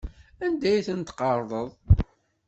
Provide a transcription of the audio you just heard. Anda ay ten-tqerḍeḍ?